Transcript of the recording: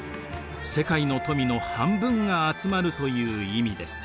世界の富の半分が集まるという意味です。